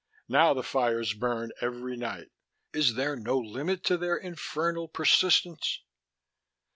Now the fires burn every night. Is there no limit to their infernal perfiftence?